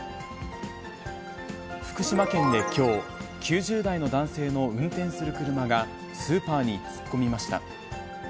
福島県できょう、９０代の男性の運転する車がスーパーに突っ込みました。